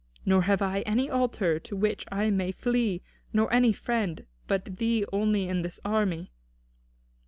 Nor have I any altar to which I may flee, nor any friend but thee only in this army."